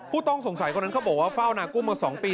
ผู้ต้องสงสัยคนนั้นเขาบอกว่าเฝ้านากุ้งมา๒ปี